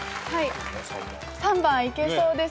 ３番いけそうです。